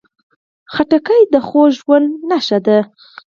خټکی د خوږ ژوند نښه ده.